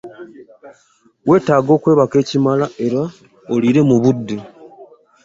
Weetaga okwebaka ekimala era oliire mu budde.